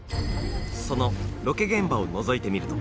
そのロケ現場を覗いてみると